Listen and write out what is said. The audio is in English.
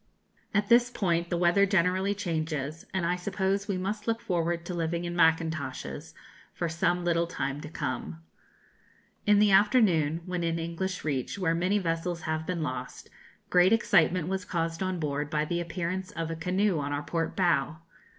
At this point the weather generally changes, and I suppose we must look forward to living in mackintoshes for some little time to come. In the afternoon, when in English Reach, where many vessels have been lost, great excitement was caused on board by the appearance of a canoe on our port bow.